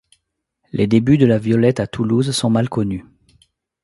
Les débuts de la violette à Toulouse sont mal connus.